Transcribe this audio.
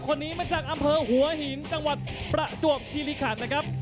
คนนี้มาจากอำเภอหัวหินจังหวัดประจวบคิริขันนะครับ